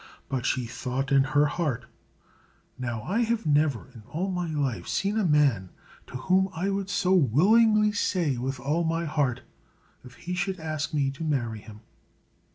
But she thought in her heart, "Now, I have never, in all my life, seen a man to whom I would so willingly say, 'With all my heart!' if he should ask me to marry him."